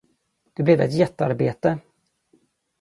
Det blev ett jättearbete.